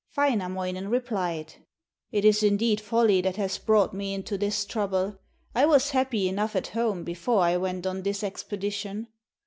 Wainamoinen replied: 'It is indeed folly that has brought me into this trouble. I was happy enough at home before I went on this expedition.'